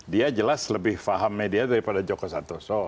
dia jelas lebih paham media daripada joko santoso